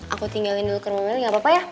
aku tinggalin dulu ke rumahnya gak apa apa ya